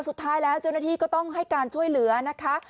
สุดท้ายแล้วเจ้าหน้าที่ก็ต้องให้การช่วยเหลือนะคะ